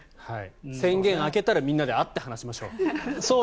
宣言明けたらみんなで会って話しましょう。